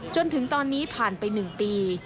จนถึงตอนนี้ผ่านไป๑ปี